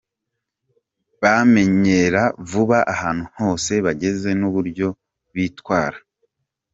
Bamenyera vuba ahantu hose bageze n’uburyo bitwara.